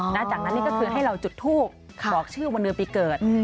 จากนั้นนี่ก็คือให้เราจุดทูบบอกชื่อวันเดือนปีเกิด